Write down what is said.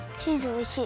おいしい！